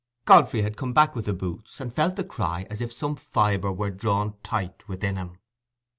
Godfrey had come back with the boots, and felt the cry as if some fibre were drawn tight within him.